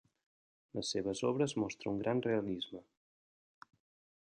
Les seves obres mostra un gran realisme.